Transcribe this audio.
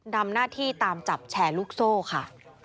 ทำหน้าที่ตามจับแชร์ลูกโซ่ค่ะ